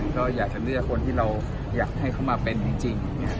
ก็อยากจะเลือกคนที่เราอยากให้เขามาเป็นจริง